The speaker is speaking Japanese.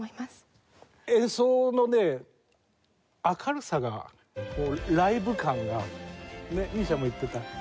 演奏のね明るさがこうライブ感が美依紗も言ってた。